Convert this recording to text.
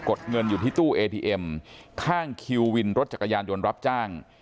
ดเงินอยู่ที่ตู้เอทีเอ็มข้างคิววินรถจักรยานยนต์รับจ้าง